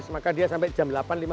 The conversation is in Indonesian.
maka dia sampai jam delapan lima puluh